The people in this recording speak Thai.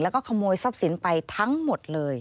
แล้วก็ขโมยทรัพย์สินไปทั้งหมดเลย